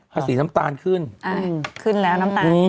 อย่างสีน้ำตาลขึ้น